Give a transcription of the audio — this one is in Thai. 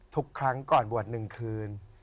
ทุกครั้งก่อนบวชหนึ่งคืน